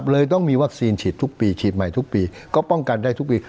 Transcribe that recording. เลยต้องมีวัคซีนฉีดทุกปีฉีดใหม่ทุกปีก็ป้องกันได้ทุกปี